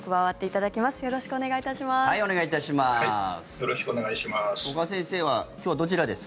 よろしくお願いします。